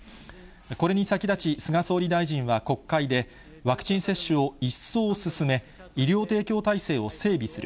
これに先立ち菅総理大臣は国会で、ワクチン接種を一層進め、医療提供体制を整備する。